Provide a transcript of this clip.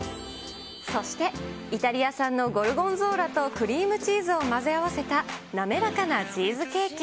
そしてイタリア産のゴルゴンゾーラとクリームチーズを混ぜ合わせたなめらかなチーズケーキ。